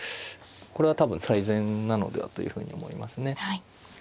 これは多分最善なのではというふうに思いますね。